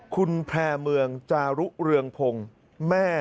คุณแพร่เมืองจารุเรืองพงศ์แม่